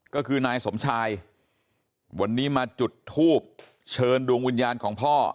ก็คือนายสมชายวันนี้มาจุดทูบเชิญดวงวิญญาณของพ่อ